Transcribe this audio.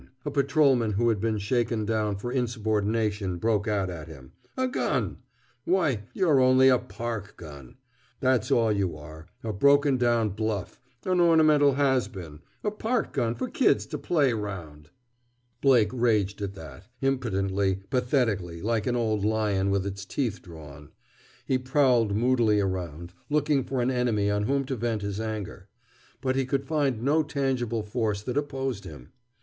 a patrolman who had been shaken down for insubordination broke out at him. "A gun! why, you're only a park gun! That's all you are, a broken down bluff, an ornamental has been, a park gun for kids to play 'round!" Blake raged at that, impotently, pathetically, like an old lion with its teeth drawn. He prowled moodily around, looking for an enemy on whom to vent his anger. But he could find no tangible force that opposed him.